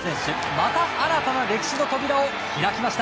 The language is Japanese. また新たな歴史の扉を開きました。